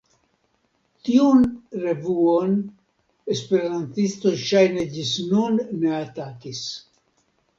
Tiun revuon esperantistoj ŝajne ĝis nun ne atakis.